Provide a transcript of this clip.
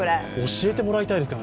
教えてもらいたいですね